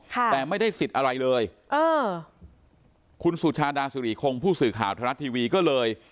แต่ไม่ได้สิทธิ์อะไรเลยเออคุณสุชาดาสุริคงผู้สื่อข่าวไทยรัฐทีวีก็เลย